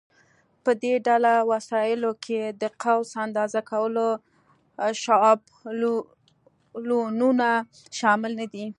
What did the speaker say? په دې ډله وسایلو کې د قوس اندازه کولو شابلونونه شامل نه دي.